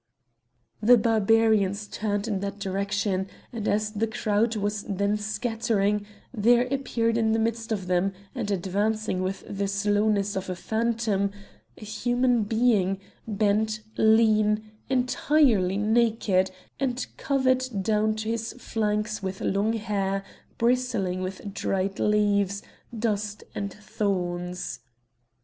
The Barbarians turned in that direction, and as the crowd was then scattering, there appeared in the midst of them, and advancing with the slowness of a phantom, a human being, bent, lean, entirely naked, and covered down to his flanks with long hair bristling with dried leaves, dust and thorns.